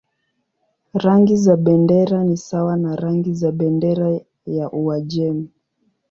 Rangi za bendera ni sawa na rangi za bendera ya Uajemi.